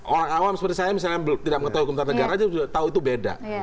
orang awam seperti saya misalnya belum ketahuan hukum tata negara aja tau itu beda